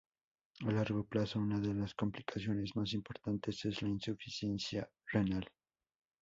A largo plazo una de las complicaciones más importantes es la insuficiencia renal.